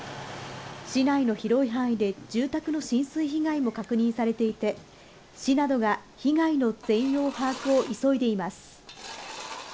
市内の広い範囲で住宅の浸水被害も確認されていて、市などが被害の全容把握を急いでいます。